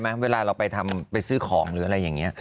คือเวลาเราไปซื้อของหรืออะไรอย่างนี้